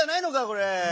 これ。